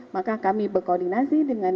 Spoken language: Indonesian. maka kami berkoordinasi dengan